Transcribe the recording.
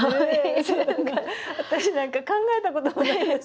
私なんか考えたこともないです